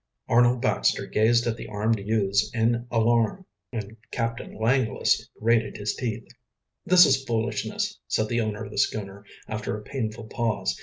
Arnold Baxter gazed at the armed youths in alarm, and Captain Langless grated his teeth. "This is foolishness," said the owner of the schooner, after a painful pause.